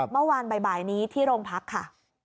เมื่อวานบ่ายนี้ที่โรงพักค่ะ